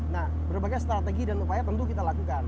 nah berbagai strategi dan upaya tentu kita lakukan